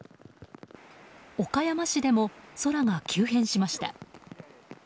岡山市でも空が急変しました。